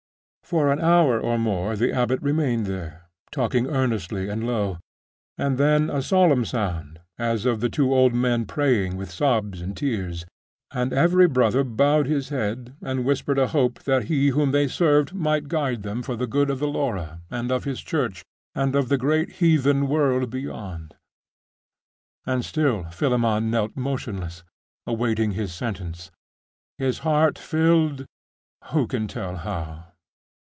For an hour or more the abbot remained there, talking earnestly and low; and then a solemn sound as of the two old men praying with sobs and tears; and every brother bowed his head, and whispered a hope that He whom they served might guide them for the good of the Laura, and of His Church, and of the great heathen world beyond; and still Philammon knelt motionless, awaiting his sentence; his heart filled who can tell how?